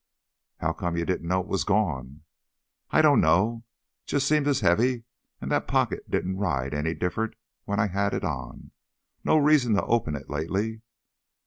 "How come you didn't know it was gone?" "I don't know. Seemed just as heavy and that pocket didn't ride any different when I had it on. No reason to open it lately."